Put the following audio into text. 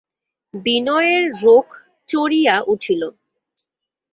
বিনয়ের রোখ চড়িয়া উঠিল।